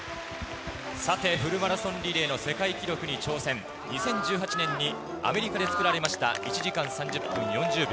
さてフルマラソンリレーの世界記録に挑戦、２０１８年にアメリカで作られました１時間３０分４０秒。